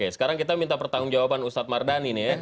sekarang kita minta pertanggung jawaban ustadz mardani nih ya